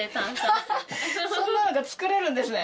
そんなのが作れるんですね！